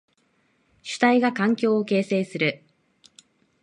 主体が環境を形成する。